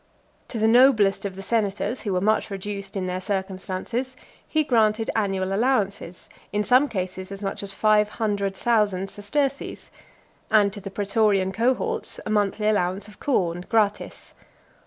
To the noblest of the senators who were much reduced in their circumstances, he granted annual allowances, in some cases as much as five hundred thousand sesterces; and to the pretorian cohorts a monthly allowance of corn gratis.